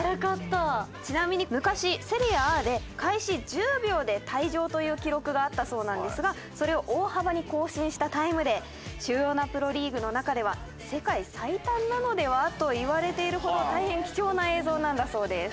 ちなみに昔セリエＡで開始１０秒で退場という記録があったそうなんですがそれを大幅に更新したタイムで主要なプロリーグの中では世界最短なのでは？といわれているほど大変貴重な映像なんだそうです。